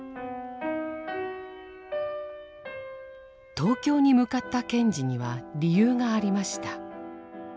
東京に向かった賢治には理由がありました。